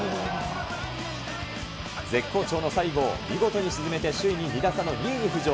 絶好調の西郷、見事に沈めて首位に２打差の２位に浮上。